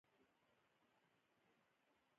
زه د خبرو کولو څخه مخکي فکر کوم.